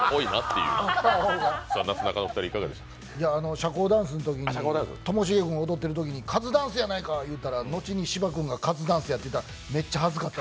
社交ダンス、ともしげ君踊ってるときにカズダンスやないか！って言ったら後に芝君がカズダンスやって言ってたからめっちゃ恥ずかしかった。